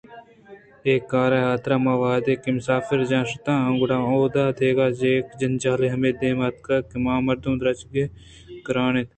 اے کار ءِحاترا من وہدے کہ مسافر جاہ ءَ شتا ں گڑا اوُ دادگہ یک جنجالے ہمے دیم ءَ اتک کہ آمردم ءِ درگیجگ گرٛان اِنت